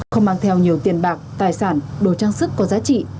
không mang theo nhiều tiền bạc tài sản đồ trang sức có giá trị